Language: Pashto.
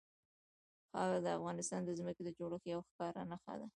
خاوره د افغانستان د ځمکې د جوړښت یوه ښکاره نښه ده.